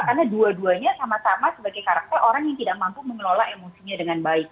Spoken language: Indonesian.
karena dua duanya sama sama sebagai karakter orang yang tidak mampu mengelola emosinya dengan baik